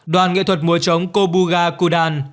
đoàn nghệ thuật mùa trống kobuga kudan